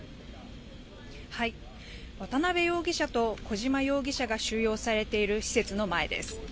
渡邉容疑者と小島容疑者が収容されている施設の前です。